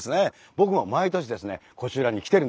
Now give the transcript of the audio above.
僕も毎年ですねこちらに来てるんです。